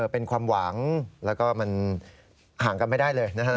เป็นความหวังแล้วก็มันห่างกันไม่ได้เลยนะฮะ